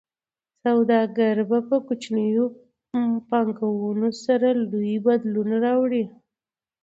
سوداګر په کوچنیو پانګونو سره لوی بدلون راوړي.